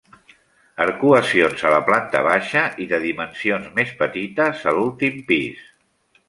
Arcuacions a la planta baixa i de dimensions més petites a l'últim pis.